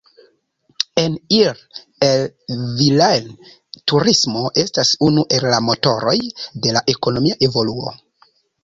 En Ille-et-Vilaine, turismo estas unu el la motoroj de la ekonomia evoluo.